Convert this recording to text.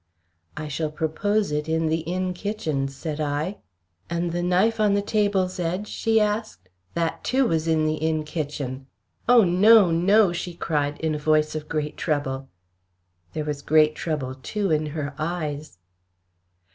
"I shall propose it in the inn kitchen," said I. "And the knife on the table's edge?" she asked; "that too was in the inn kitchen. Oh, no! no!" she cried, in a voice of great trouble. There was great trouble too in her eyes.